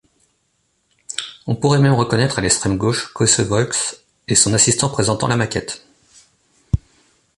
On pourrait même reconnaître, à l’extrême gauche, Coysevox et son assistant présentant la maquette.